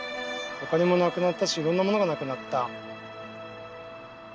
お金もなくなったしいろんなものがなくなった。